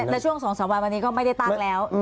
แล้วช่วงสองสามวันวันนี้ก็ไม่ได้ตั้งแล้ว